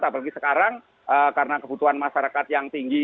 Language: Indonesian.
apalagi sekarang karena kebutuhan masyarakat yang tinggi